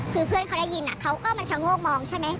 คือเพื่อนเขาได้ยินเขาก็มาชะโงกมองใช่ไหม